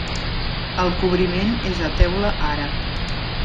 El cobriment és de teula àrab.